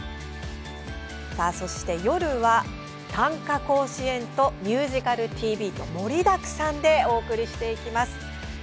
そして夜は「短歌甲子園」と「ミュージカルＴＶ」と盛りだくさんでお送りしていきます。